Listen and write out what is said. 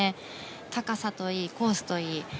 高さといい、コースといい。